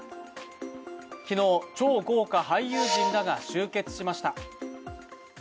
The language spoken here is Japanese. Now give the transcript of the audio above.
昨日、超豪華俳優人らが集結しました。